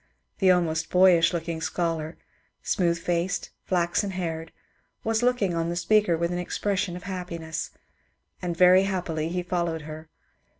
The almost boyish look ing scholar — smooth faced, flaxen haired — was looking on the speaker with an expression of happiness. And very hap pily he followed her.